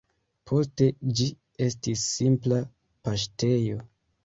Poste ĝi estis simpla paŝtejo.